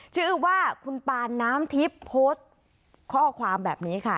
ชื่อว่าคุณปานน้ำทิพย์โพสต์ข้อความแบบนี้ค่ะ